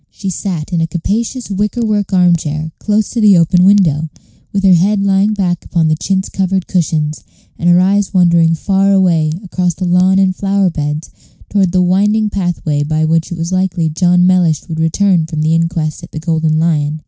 She sat in a capacious wicker work arm chair close to the open window, with her head lying back upon the chintz covered cushions, and her eyes wandering far away across the lawn and flower beds toward the winding pathway by which it was likely John Mellish would return from the inquest at the Golden Lion.